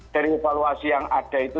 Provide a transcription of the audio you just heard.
dari evaluasi yang ada itu